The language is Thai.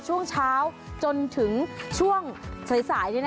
ช่วงเช้าจนถึงช่วงสาย